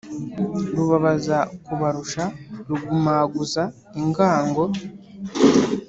rubabaza kubarusha, rugumaguza ingango,